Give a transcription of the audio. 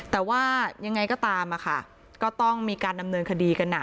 แต่ว่ายังไงก็ตามอะค่ะก็ต้องมีการดำเนินคดีกัน